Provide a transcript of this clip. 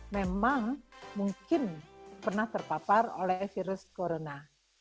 memang mungkin pernah terpapar oleh virus corona